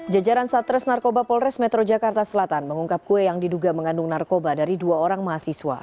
jajaran satres narkoba polres metro jakarta selatan mengungkap kue yang diduga mengandung narkoba dari dua orang mahasiswa